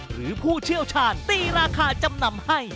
ผู้เชี่ยวชาญตีราคาจำนำให้